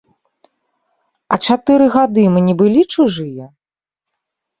А чатыры гады мы не былі чужыя?